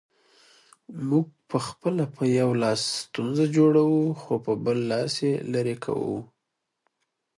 موږ پخپله په یو لاس ستونزه جوړوو، خو په بل لاس یې لیري کوو